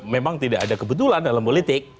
memang tidak ada kebetulan dalam politik